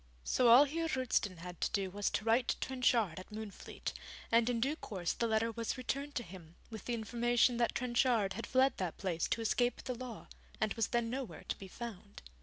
So all Heer Roosten had to do was to write to Trenchard at Moonfleet, and in due course the letter was returned to him, with the information that Trenchard had fled that place to escape the law, and was then nowhere to be found.